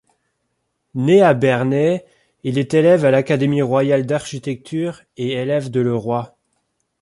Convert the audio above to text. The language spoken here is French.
Né à Bernay, il est élève à l'Académie royale d'architecture et élève de Leroy.